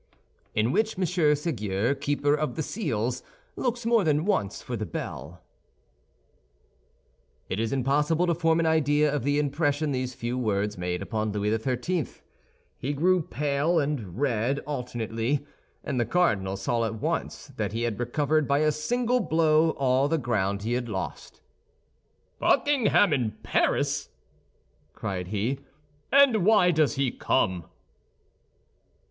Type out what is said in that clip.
IN WHICH M. SÉGUIER, KEEPER OF THE SEALS, LOOKS MORE THAN ONCE FOR THE BELL It is impossible to form an idea of the impression these few words made upon Louis XIII. He grew pale and red alternately; and the cardinal saw at once that he had recovered by a single blow all the ground he had lost. "Buckingham in Paris!" cried he, "and why does he come?"